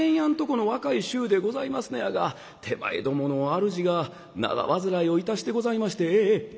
この若い衆でございますねやが手前どものあるじが長患いをいたしてございまして。